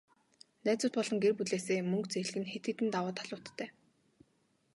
Найзууд болон гэр бүлээсээ мөнгө зээлэх нь хэд хэдэн давуу талуудтай.